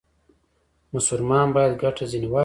مسلمان باید ګټه ځنې واخلي.